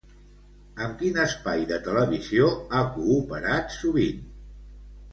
Amb quin espai de televisió ha cooperat sovint?